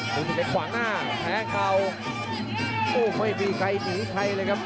กระโดยสิ้งเล็กนี่ออกกันขาสันเหมือนกันครับ